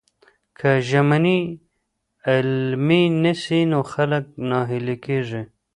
که ژمنې عملي نسي نو خلک ناهیلي کیږي.